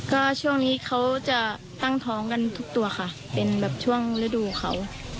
ก็ช่วงนี้เขาจะตั้งท้องกันทุกตัวค่ะเป็นแบบช่วงฤดูเขา